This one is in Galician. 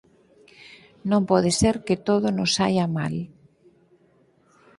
Non pode ser que todo nos saia mal.